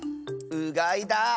うがいだ！